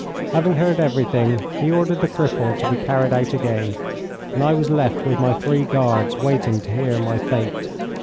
Having heard everything, he ordered the cripple to be carried out again, and I was left with my three guards, waiting to hear my fate.